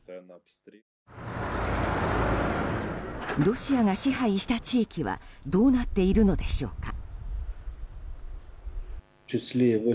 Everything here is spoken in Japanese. ロシアが支配した地域はどうなっているのでしょうか。